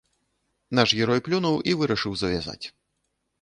Наш герой плюнуў і вырашыў завязаць.